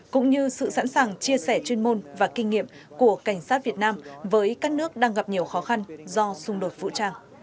cũng như sự sẵn sàng chia sẻ chuyên môn và kinh nghiệm của cảnh sát việt nam với các nước đang gặp nhiều khó khăn do xung đột phà